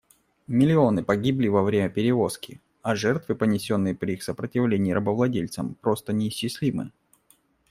Миллионы погибли во время перевозки, а жертвы, понесенные при их сопротивлении рабовладельцам, просто неисчислимы.